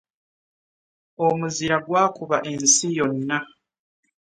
Omuzira gwakuba ensi yonna.